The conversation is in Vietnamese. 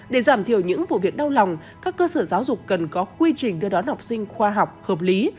để giảm thiểu những vụ việc đau lòng các cơ sở giáo dục cần có quy trình đưa đón học sinh khoa học hợp lý